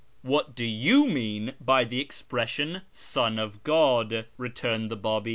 " What do you mean by the expression ' Son of God '?" f| returned the Babi.